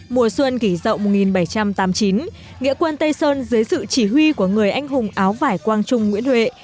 mùa xuân kỷ dậu một nghìn bảy trăm tám mươi chín nghĩa quân tây sơn dưới sự chỉ huy của người anh hùng áo vải quang trung nguyễn huệ